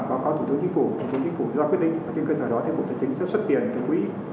báo cáo thủ tướng chính phủ thủ tướng chính phủ giao quyết định